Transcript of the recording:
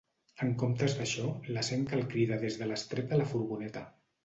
En comptes d'això la sent que el crida des de l'estrep de la furgoneta.